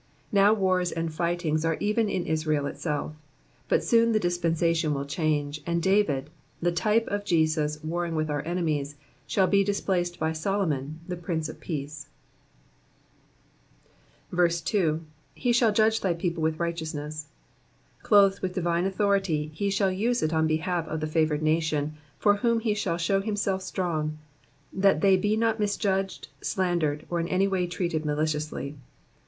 Now wars and fightings are even in Israel itself, but soon the dispensation will change, and David, the type of Jesus warring with our enemies, shall be displaced by Solomon the prince of peace. 2. ''He shall judge thy people with righteousness,''^ Clothed with divine authority, be shall use it on the behalf of the favoured nation, for whom he Digitized by^VjOOQlC PSALM THE SEVENTY SECOND. 317 shall show himself strong, that they be not misjudged, slandered, or in any way treated maliciously.